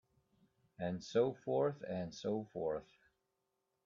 And so forth and so forth.